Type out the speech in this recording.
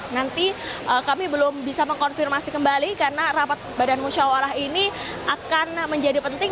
nanti kami belum bisa mengkonfirmasi kembali karena rapat badan musyawarah ini akan menjadi penting